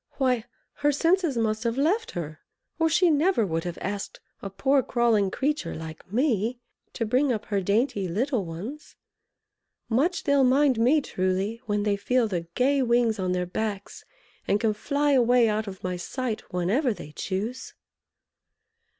Why, her senses must have left her or she never would have asked a poor crawling creature like me to bring up her dainty little ones! Much they'll mind me, truly, when they feel the gay wings on their backs, and can fly away out of my sight whenever they choose!"